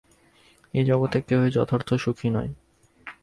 এ জগতে কেহই যথার্থ সুখী নয়।